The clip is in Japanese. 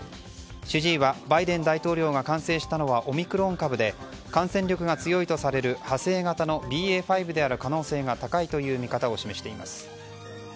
主治医はバイデン大統領が感染したのはオミクロン株で感染力が強いとされる派生型のＢＡ．５である可能性が高いという見方を示しています。